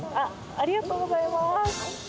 ありがとうございます。